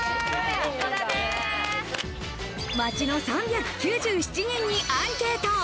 街の３９７人にアンケート。